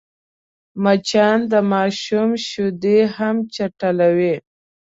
مچان د ماشوم شیدې هم چټلوي